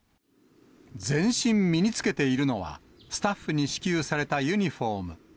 全身身に着けているのは、スタッフに支給されたユニホーム。